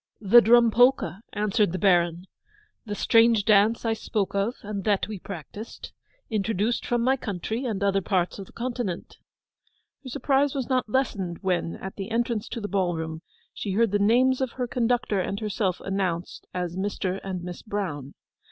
'The Drum Polka,' answered the Baron. 'The strange dance I spoke of and that we practised—introduced from my country and other parts of the continent.' Her surprise was not lessened when, at the entrance to the ballroom, she heard the names of her conductor and herself announced as 'Mr. and Miss Brown.